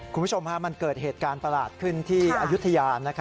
คุณผู้ชมมันเกิดเหตุการณ์ประหลาดขึ้นที่อายุทยา